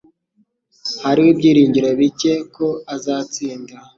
Hariho ibyiringiro bike ko azatsinda.